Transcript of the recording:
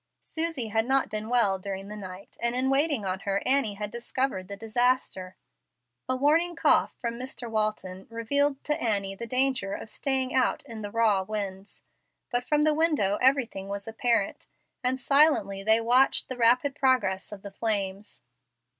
Susie had not been well during the night, and in waiting on her, Annie had discovered the disaster. A warning cough from Mr. Walton revealed to Annie the danger of staying out in the raw winds; but from the windows everything was apparent, and silently they watched the rapid progress of the flames.